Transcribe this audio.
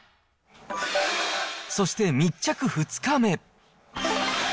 そして、密着２日目。